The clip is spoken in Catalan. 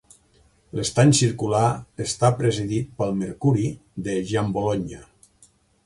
L'estany circular està presidit pel "Mercuri" de Giambologna.